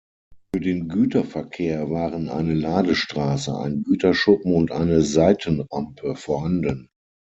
Für den Güterverkehr waren eine Ladestraße, ein Güterschuppen und eine Seitenrampe vorhanden.